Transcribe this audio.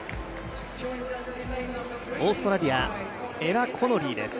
オーストラリア、エラ・コノリーです。